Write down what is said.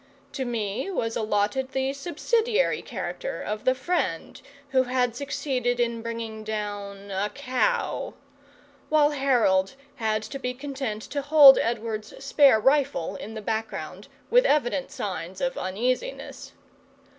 To me was allotted the subsidiary character of the friend who had succeeded in bringing down a cow; while Harold had to be content to hold Edward's spare rifle in the background, with evident signs of uneasiness.